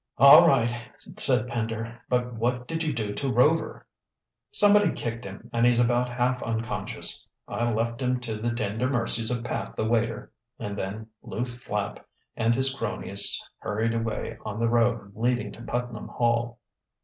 "All right," said Pender. "But what did you do to Rover?" "Somebody kicked him and he's about half unconscious. I left him to the tender mercies of Pat the waiter." And then Lew Flapp and his cronies hurried away on the road leading to Putnam Hall.